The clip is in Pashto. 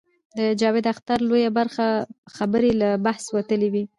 د جاوید اختر لویه برخه خبرې له بحث وتلې وې.